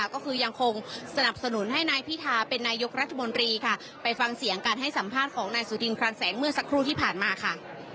ขอบคุณพระยุครัฐมนตรีค่ะไปฟังเสียงการให้สัมภาษณ์ของนายสุดินพรานแสงเมื่อสักครู่ที่ผ่านมาค่ะ